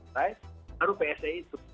baru psa itu